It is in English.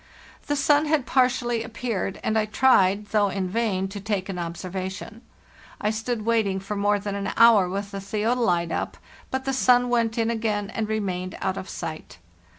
The sun had partially appeared, and I tried, though in vain, to take an observation. I stood waiting for more than an hour with the theodolite up, but the sun went in again and remained out of sight.